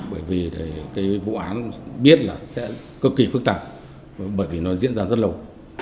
bởi vì cái vụ án biết là sẽ cực kỳ phức tạp bởi vì nó diễn ra rất lâu